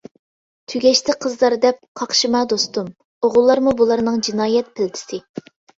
تۈگەشتى قىزلار دەپ قاقشىما دوستۇم، ئوغۇللارمۇ بۇلارنىڭ جىنايەت پىلتىسى.